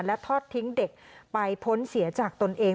และทอดทิ้งเด็กไปพ้นเสียจากตนเอง